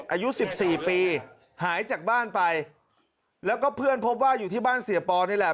อายุสิบสี่ปีหายจากบ้านไปแล้วก็เพื่อนพบว่าอยู่ที่บ้านเสียปอนี่แหละ